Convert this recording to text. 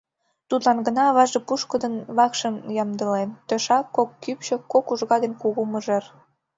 Тудлан гына аваже пушкыдын вакшын ямдылен: тӧшак, кок кӱпчык, кок ужга ден кугу мыжер.